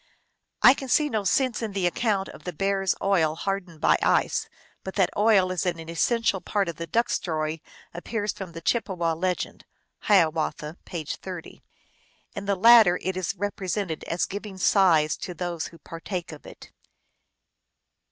I can see no sense in the account of the bear s oil hardened by ice, but that oil is an essential part of the duck story appears from the Chippewa legend (Hiawatha L. p. 30). In the latter it is represented as giving size to those who partake of it.